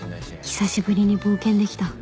久しぶりに冒険できた